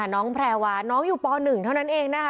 แพรวาน้องอยู่ป๑เท่านั้นเองนะคะ